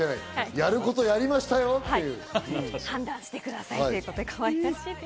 やることやりましたよっていう。